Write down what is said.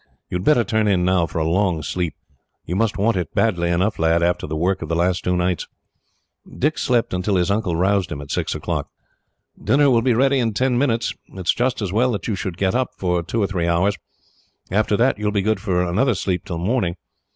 You had better turn in now for a long sleep. You must want it badly enough, lad, after the work of the two last nights." Dick slept until his uncle roused him, at six o'clock. "Dinner will be ready in ten minutes. It is just as well that you should get up, for two or three hours. After that, you will be good for another sleep till morning.